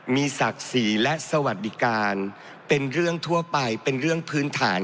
มีศักดิ์ศรีและสวัสดิการเป็นเรื่องทั่วไปเป็นเรื่องพื้นฐาน